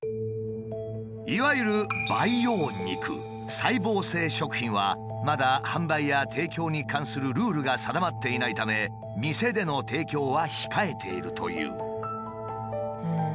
いわゆるはまだ販売や提供に関するルールが定まっていないため店での提供は控えているという。